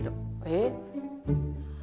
えっ？